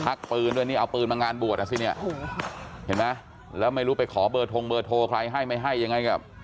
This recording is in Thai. ปืนด้วยนี่เอาปืนมางานบวชอ่ะสิเนี่ยเห็นไหมแล้วไม่รู้ไปขอเบอร์ทงเบอร์โทรใครให้ไม่ให้ยังไงกับ